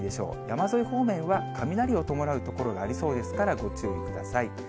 山沿い方面は、雷を伴う所がありそうですから、ご注意ください。